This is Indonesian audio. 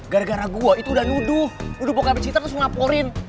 gara gara gua itu udah nuduh nuduh bokapnya citra terus ngelaporin